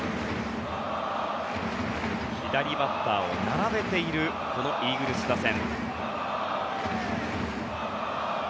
左バッターを並べているこのイーグルス打線。